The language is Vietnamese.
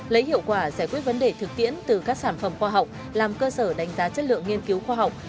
lấy hiệu quả giải quyết vấn đề thực tiễn từ các sản phẩm khoa học làm cơ sở đánh giá chất lượng nghiên cứu khoa học